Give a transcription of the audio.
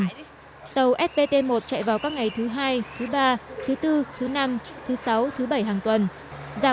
tàu spt một chạy vào các ngày thứ hai thứ ba thứ bốn thứ năm thứ sáu thứ bảy hàng tuần giảm